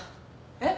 えっ？